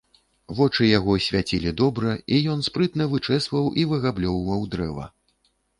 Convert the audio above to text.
Вочы яго свяцілі добра, і ён спрытна вычэсваў і выгаблёўваў дрэва.